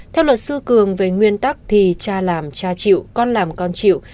theo luật sư cường về nguyên tắc thì cha làm cha chịu con làm con chịu